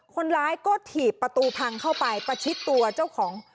คนร้ายก็ถีบประตูพังเข้าไปประชิดตัวเจ้าของ